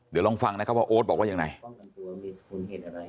เดี๋ยวลองฟังนะครับว่าโอ๊ตบอกว่ายังไง